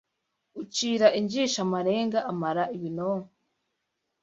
Ucira injiji amarenga amara ibinonko